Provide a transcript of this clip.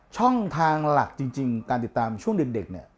ช่องทางหลักจริงการติดตามช่วงเด็กเนี่ย